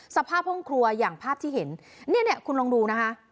สภาพห้องครัวอย่างภาพที่เห็นเนี่ยคุณลองดูนะคะ